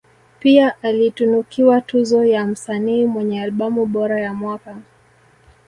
Pia alitunukiwa tuzo ya msanii mwenye albamu bora ya mwaka